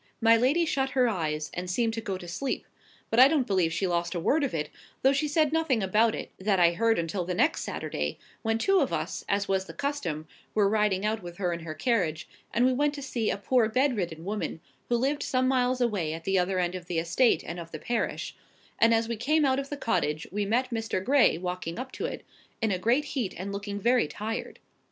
My lady shut her eyes, and seemed to go to sleep; but I don't believe she lost a word of it, though she said nothing about it that I heard until the next Saturday, when two of us, as was the custom, were riding out with her in her carriage, and we went to see a poor bedridden woman, who lived some miles away at the other end of the estate and of the parish: and as we came out of the cottage we met Mr. Gray walking up to it, in a great heat, and looking very tired.